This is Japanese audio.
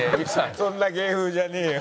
そんな芸風じゃねえよ。